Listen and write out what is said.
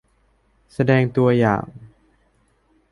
แสดงตัวอย่าง